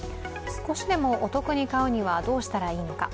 少しでもお得に買うにはどうしたらいいのか。